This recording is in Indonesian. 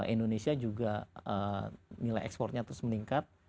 indonesia juga nilai ekspornya terus meningkat